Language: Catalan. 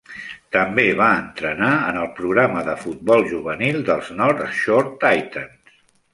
També va entrenar en el programa de futbol juvenil dels North Shore Titans.